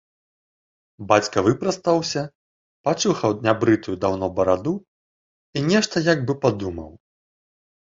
Бацька выпрастаўся, пачухаў нябрытую даўно бараду і нешта як бы падумаў.